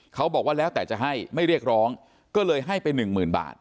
เขาบอกว่าแล้วแต่จะให้ไม่เรียกร้องก็เลยให้ไปหนึ่งหมื่นบาท